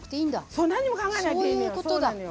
そう何にも考えないでいいのよ。